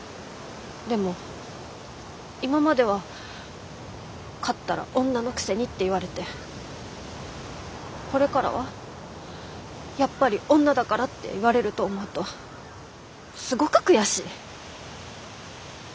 でも今までは勝ったら「女のくせに」って言われてこれからは「やっぱり女だから」って言われると思うとすごく悔しい。